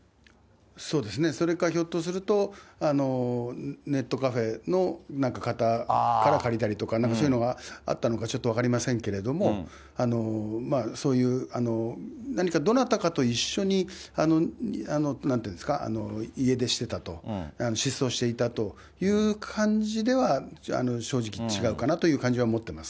そうですね、それかひょっとすると、ネットカフェのなんか方から借りたりとか、そういうのがあったのかちょっと分かりませんけれども、そういう、何かどなたかと一緒になんて言うんですか、家出してたと、失踪していたという感じでは、正直、ちょっと違うかなという感じは思ってます。